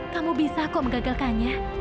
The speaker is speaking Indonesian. kamu bisa kok mengagalkannya